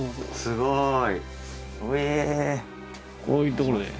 すごい！